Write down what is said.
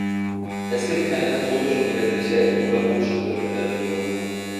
Es gibt keine katholischen Universitäten oder Hochschulen in der Region.